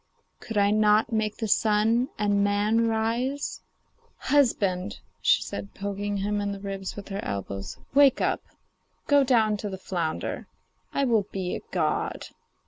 could I not make the sun and man rise?' 'Husband,' said she, poking him in the ribs with her elbows, 'wake up. Go down to the flounder; I will be a god.